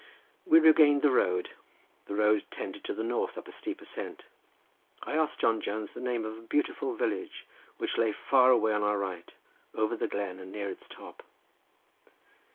We regained the road; the road tended to the north up a steep ascent. I asked John Jones the name of a beautiful village, which lay far away on our right, over the glen, and near its top.